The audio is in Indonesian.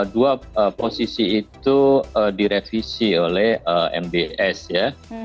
dua posisi itu direvisi oleh mbs ya